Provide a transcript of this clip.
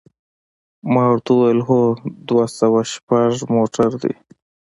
ما ورته وویل: هو، دوه سوه شپږ موټر دی.